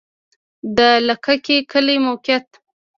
د لکه کی کلی موقعیت